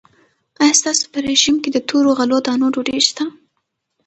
آیا ستاسو په رژیم کې د تورو غلو دانو ډوډۍ شته؟